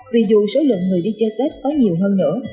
vì dù số lượng người đi chơi tết có nhiều hơn nữa